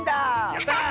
やった！